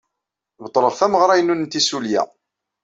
Beṭleɣ tameɣra-inu n tissulya.